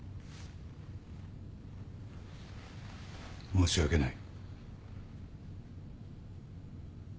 申し訳ない。